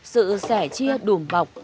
sự sẻ chia đùm bọc